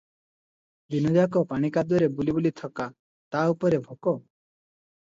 ଦିନ ଯାକ ପାଣି କାଦୁଅରେ ବୁଲିବୁଲି ଥକା, ତା' ଉପରେ ଭୋକ!